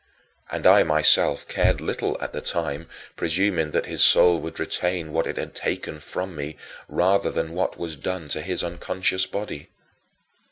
And I myself cared little, at the time, presuming that his soul would retain what it had taken from me rather than what was done to his unconscious body.